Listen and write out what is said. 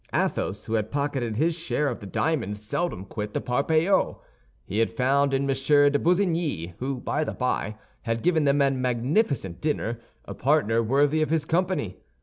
Athos, who had pocketed his share of the diamond, seldom quit the Parpaillot. He had found in M. de Busigny, who, by the by, had given them a magnificent dinner, a partner worthy of his company.